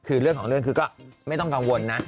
คือเรื่องของเรื่องคือก็ไม่ต้องกังวลนะ